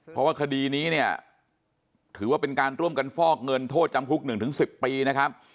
เพราะว่าคดีนี้เนี่ยถือว่าเป็นการร่วมกันฟอกเงินโทษจำคุก๑๑๐ปีนะครับ